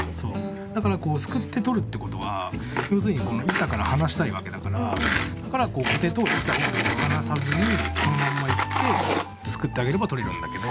だからすくって取るってことは要するにこの板から離したいわけだからだからコテと板を離さずにこのまんまいってすくってあげれば取れるんだけど。